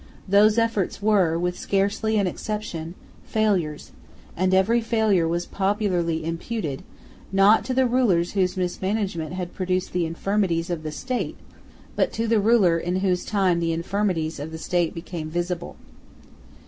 Those efforts were, with scarcely an exception, failures; and every failure was popularly imputed, not to the rulers whose mismanagement had produced the infirmities of the state, but to the ruler in whose time the infirmities of the state became visible.